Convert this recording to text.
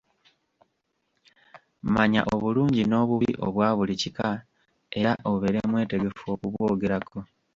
Manya obulungi n’obubi obwa buli kika era obeere mwetegefu okubwogerako.